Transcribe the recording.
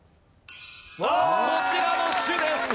こちらの「主」です。